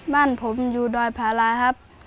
บ้านผมอยู่ดอยพาราครับ